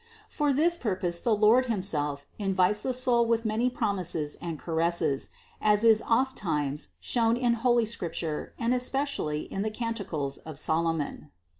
For this purpose the Lord himself invites the soul with many promises and caresses, as is ofttimes shown in holy Scrip ture and especially in the Canticles of Solomon.